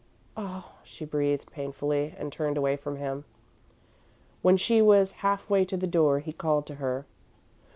"Oh," she breathed, painfully, and turned away from him. When she was half way to the door, he called to her.